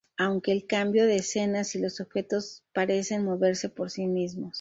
Aunque el cambio de escenas y los objetos parecen moverse por sí mismos.